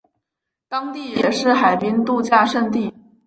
当地也是海滨度假胜地。